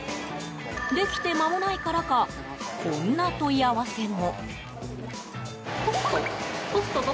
できて、まもないからかこんな問い合わせも。